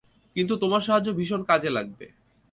কিন্তু তোমার সাহায্য ভীষণ কাজে লাগবে।